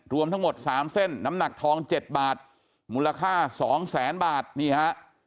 รวมทั้งหมด๓เส้นน้ำหนักทอง๗บาทมูลค่า๒แสนบาทนี่ฮะ